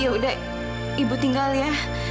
ya udah ibu tinggal ya